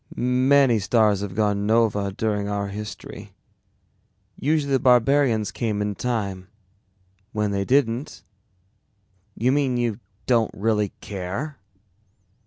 "Many stars have gone nova during our history. Usually the barbarians came in time. When they didn't " "You mean you don't really care?"